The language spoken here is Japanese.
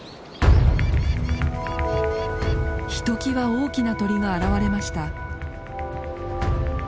ひときわ大きな鳥が現れました。